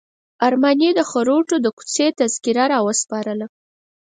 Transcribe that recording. ارماني د خروټو د کوڅې تذکره راوسپارله.